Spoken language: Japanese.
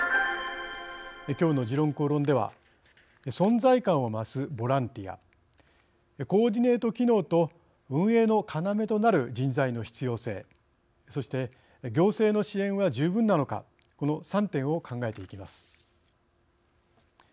きょうの「時論公論」では存在感を増すボランティアコーディネート機能と運営の「要」となる人材の必要性そして行政の支援は十分なのかこの３点を考えていきます。